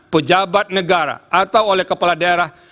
pejabat negara atau oleh kepala daerah